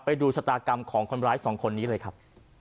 ไปดูชะตากรรมของคนร้ายสองคนนี้เลยครับ